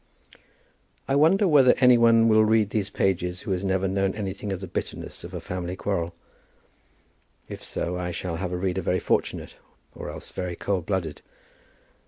I wonder whether any one will read these pages who has never known anything of the bitterness of a family quarrel? If so, I shall have a reader very fortunate, or else very cold blooded.